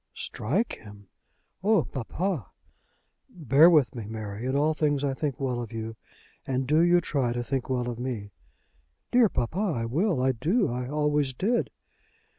"Strike him! Oh, papa!" "Bear with me, Mary. In all things I think well of you, and do you try to think well of me." "Dear papa! I will. I do. I always did."